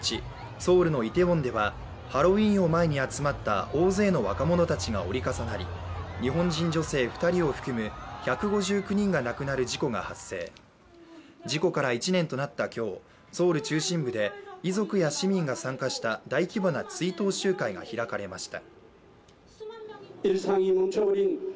ソウルのイテウォンではハロウィーンを前に集まった大勢の若者たちが折り重なり日本人女性２人を含め１５９人が亡くなる事故が発生事故から１年となったきょうソウル中心部で遺族や市民が参加した大規模な追悼集会が開かれました